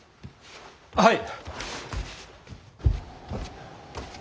はい。